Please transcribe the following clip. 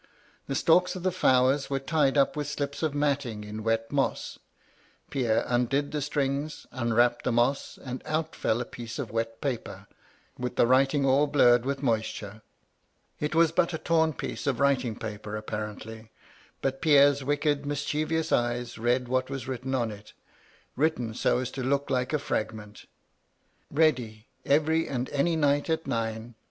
The stalks of the flowers were tied up with slips of matting in wet moss. Pierre undid the strings, unwrapped the moss, and out fell a piece of wet paper, with the writing all blurred with moisture. It was but a torn piece of writing paper apparently, but Pierre's wicked mischievous eyes read what was written on it, — written so as to look like a fragment —' Ready, every and any night at nine.